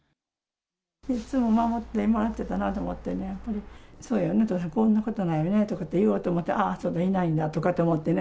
いつも守ってもらってたなと思ってね、そういえば、お父さん、こんなことがあってねって言おうと思って、あぁ、そうだ、いないんだって思ってね。